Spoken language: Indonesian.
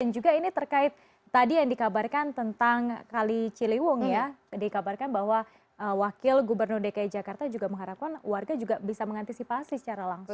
dan juga ini terkait tadi yang dikabarkan tentang kali ciliwung ya dikabarkan bahwa wakil gubernur dki jakarta juga mengharapkan warga juga bisa mengantisipasi secara langsung